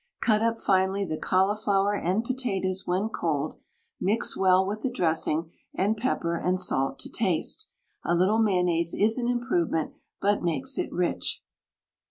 Cut up finely the cauliflower and potatoes when cold, mix well with the dressing, and pepper and salt to taste. A little mayonnaise is an improvement, but makes it rich.